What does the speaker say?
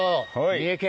三重県。